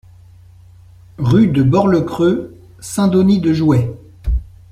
Rue de Bord-le-Creux, Saint-Denis-de-Jouhet